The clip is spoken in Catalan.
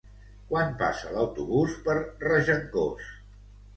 Quan passa l'autobús per Regencós?